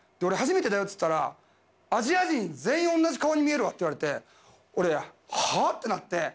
俺、初めてだよって言ったらアジア人、全員同じ顔に見えるわって言われて俺、はあ？ってなって。